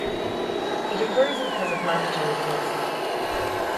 It occurs because of mandatory policy.